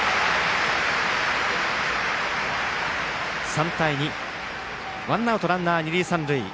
３対２、ワンアウトランナー、二塁三塁。